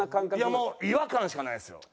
いやもう違和感しかないですよ。